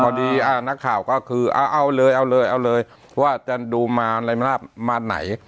พอดีอ่านักข่าวก็คือเอาเอาเลยเอาเลยเอาเลยเพราะว่าจะดูมาอะไรมามาไหน